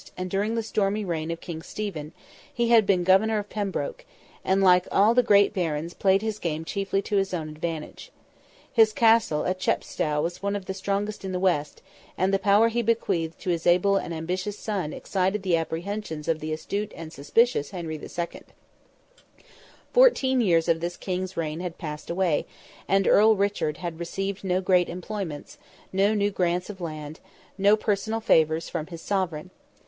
and during the stormy reign of King Stephen, he had been Governor of Pembroke, and like all the great Barons played his game chiefly to his own advantage. His castle at Chepstow was one of the strongest in the west, and the power he bequeathed to his able and ambitious son excited the apprehensions of the astute and suspicious Henry II. Fourteen years of this King's reign had passed away, and Earl Richard had received no great employments, no new grants of land, no personal favours from his Sovereign.